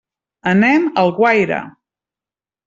Anem a Alguaire.